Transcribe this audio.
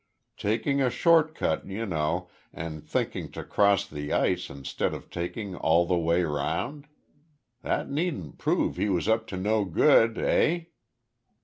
Taking a short cut, you know, and thinking to cross the ice instead of taking all the way round? That needn't prove he was up to no good. Eh?"